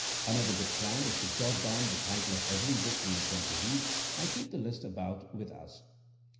Another good plan is to jot down the title of every book we intend to read, and keep the list about with us.